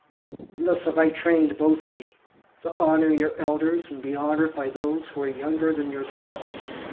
And thus have I trained both of you, to honour your elders and be honoured by those who are younger than yourselves.